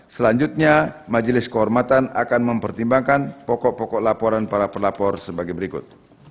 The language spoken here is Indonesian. selanjutnya majelis kehormatan akan mempertimbangkan pokok pokok laporan para pelapor sebagai berikut